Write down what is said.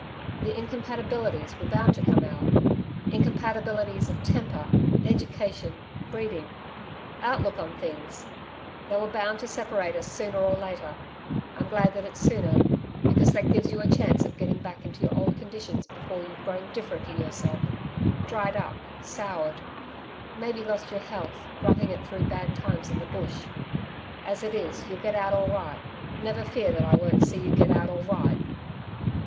The incompatibilities were bound to come out incompatibilities of temper, education, breeding outlook on things they were bound to separate us sooner or later, I'm glad that it's sooner, because that gives you a chance of getting back into your old conditions before you've grown different in yourself dried up soured maybe lost your health, roughing it through bad times in the bush.... As it is, you'll get out all right Never fear that I won't see you get out all right.'